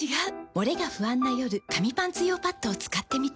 モレが不安な夜紙パンツ用パッドを使ってみた。